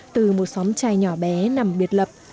từ một xóm trai nhỏ bé nằm biệt lập